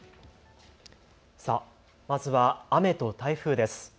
まずは雨と台風です。